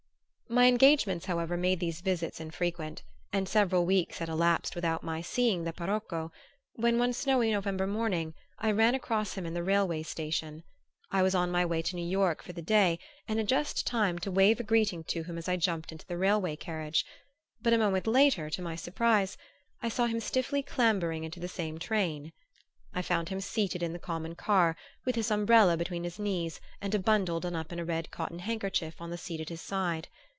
My engagements, however, made these visits infrequent, and several weeks had elapsed without my seeing the parocco when, one snowy November morning, I ran across him in the railway station. I was on my way to New York for the day and had just time to wave a greeting to him as I jumped into the railway carriage; but a moment later, to my surprise, I saw him stiffly clambering into the same train. I found him seated in the common car, with his umbrella between his knees and a bundle done up in a red cotton handkerchief on the seat at his side.